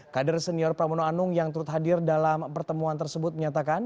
kader senior pramono anung yang turut hadir dalam pertemuan tersebut menyatakan